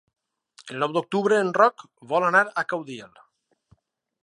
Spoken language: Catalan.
El nou d'octubre en Roc vol anar a Caudiel.